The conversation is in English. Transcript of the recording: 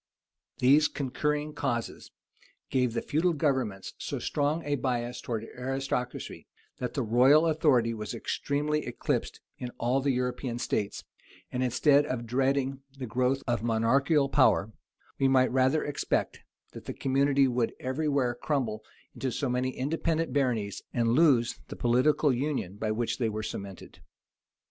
These concurring causes gave the feudal governments so strong a bias towards aristocracy, that the royal authority was extremely eclipsed in all the European states; and, instead of dreading the growth of monarchical power, we might rather expect, that the community would every where crumble into so many independent baronies, and lose the political union by which they were cemented.